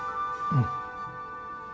うん。